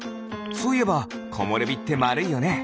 そういえばこもれびってまるいよね。